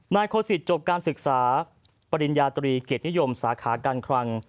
โคศิษฐจบการศึกษาปริญญาตรีเกียรตินิยมสาขาการคลัง